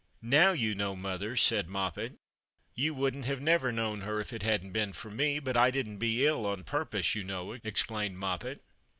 " Now you know mother," said Moppet. " You wouldn't have never known her if it hadn't been for me, but I didn't be ill on purpose, you know," explained Moppet.